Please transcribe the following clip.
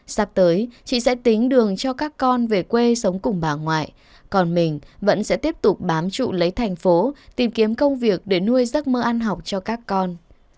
sắp tới chị sẽ tính đường cho các con về quê sống cùng bà ngoại còn mình vẫn sẽ tiếp tục bám trụ lấy thành phố tìm kiếm công việc để nuôi giấc mơ ăn học cho các con